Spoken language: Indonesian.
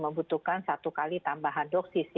membutuhkan satu kali tambahan dosis